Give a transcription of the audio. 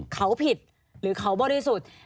เขาผิดหรือเขาบริสุทธิ์